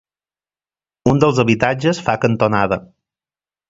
Un dels habitatges fa cantonada.